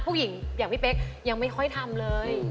อย่างพี่เป๊กยังไม่ค่อยทำเลย